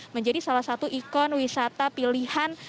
menjadi salah satu ikon wisata pilihan